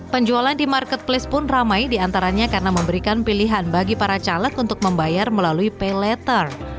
penjualan di marketplace pun ramai diantaranya karena memberikan pilihan bagi para caleg untuk membayar melalui pay letter